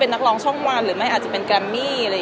เป็นนักร้องพอพายที่มันเกย์อยู่ในสารระบบเรามีไหม